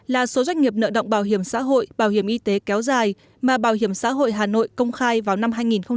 năm trăm linh là số doanh nghiệp nợ động bảo hiểm xã hội bảo hiểm y tế kéo dài mà bảo hiểm xã hội hà nội công khai vào năm hai nghìn một mươi bảy